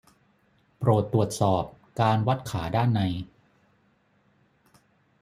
โปรดตรวจสอบการวัดขาด้านใน